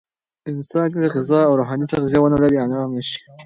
انسان که غذا او روحاني تغذیه ونلري، آرام نه شي.